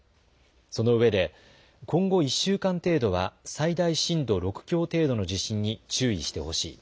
そのうえで、今後１週間程度は最大震度６強程度の地震に注意してほしい。